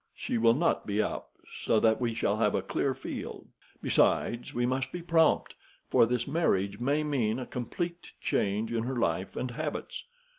She will not be up, so that we shall have a clear field. Besides, we must be prompt, for this marriage may mean a complete change in her life and habits.